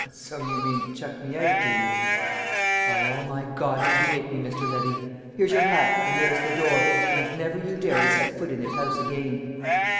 "So you mean to chuck me out, do you?" "By all my gods, if you make me, Mr. Levy! Here's your hat; there's the door; and never you dare to set foot in this house again."